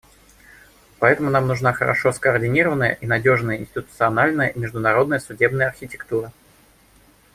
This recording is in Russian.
Поэтому нам нужна хорошо скоординированная и надежная институциональная и международная судебная архитектура.